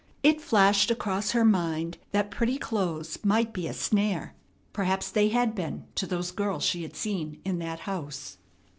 It flashed across her mind that pretty clothes might be a snare. Perhaps they had been to those girls she had seen in that house.